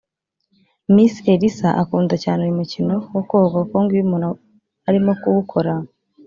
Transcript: Miss Elsa akunda cyane uyu mukino wo koga kuko ngo iyo umuntu arimo kuwukora